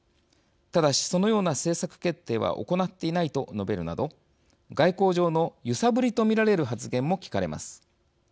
ただし、そのような政策決定は行っていない」と述べるなど外交上の揺さぶりと見られる発言も聞かれます。